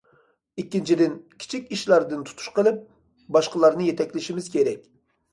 ئىككىنچىدىن، كىچىك ئىشلاردىن تۇتۇش قىلىپ، باشقىلارنى يېتەكلىشىمىز كېرەك.